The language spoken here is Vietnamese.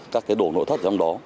các cái đồ nổ thất trong đó